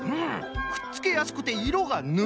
くっつけやすくていろがぬれる。